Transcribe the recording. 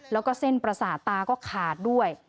แล้วก็เส้นประสาทตาก็ขาดด้วย